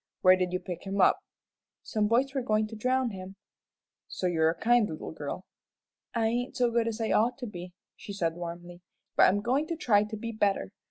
"Where did you pick him up?" "Some boys were goin' to drown him." "So you're a kind little girl." "I ain't as good as I ought to be," she said, warmly; "but I'm goin' to try to be better.